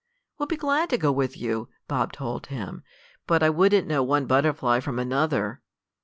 '" "We'll be glad to go with you," Bob told him. "But I wouldn't know one butterfly from another."